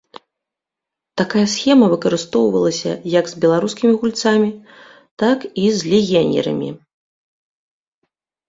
Такая схема выкарыстоўвалася як з беларускімі гульцамі, так і з легіянерамі.